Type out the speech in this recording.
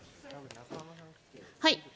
はい。